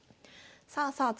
さあさあ